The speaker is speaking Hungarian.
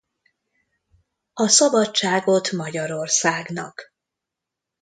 A Szabadságot Magyarországnak!